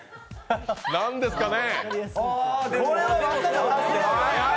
何ですかね。